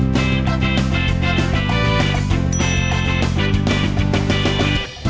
จากนั้นเชฟก็ใส่เมิงคือส์